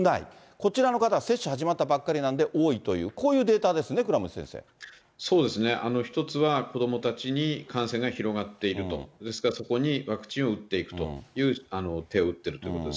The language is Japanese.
こちらの方は、接種始まったばっかりなんで多いという、こういうデータですね、そうですね、一つは、子どもたちに感染が広がっていると、ですから、そこにワクチンを打っていくという手を打っているとい